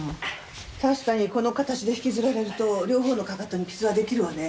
確かにこの形で引きずられると両方のかかとに傷は出来るわね。